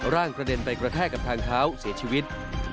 ร่างกระเด็นไปกระแทกกับทางเท้าเสียชีวิต